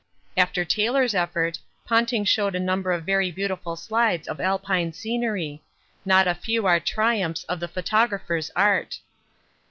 After Taylor's effort Ponting showed a number of very beautiful slides of Alpine scenery not a few are triumphs of the photographer's art.